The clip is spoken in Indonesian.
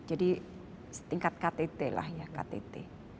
jadi tingkat ktt lah ya ktt